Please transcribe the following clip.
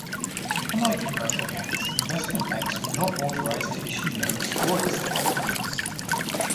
Unlike commercial banks, investment banks were not authorized to issue notes or accept deposits.